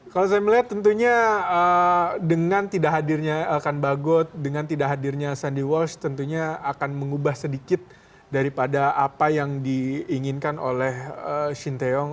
kalau saya melihat tentunya dengan tidak hadirnya elkan bagot dengan tidak hadirnya sandy walsh tentunya akan mengubah sedikit daripada apa yang diinginkan oleh shin taeyong